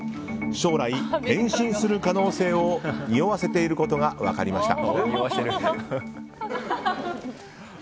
将来、転身する可能性をにおわせていることが分かりました。